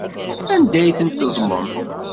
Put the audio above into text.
Anda ay ten-teẓẓmem?